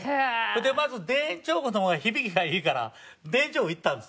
でまず田園調布の方が響きがいいから田園調布行ったんですね。